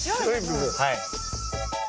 はい。